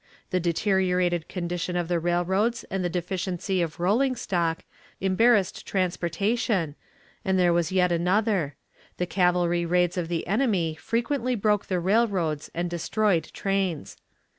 The deteriorated condition of the railroads and the deficiency of rolling stock embarrassed transportation, and there was yet another: the cavalry raids of the enemy frequently broke the railroads and destroyed trains.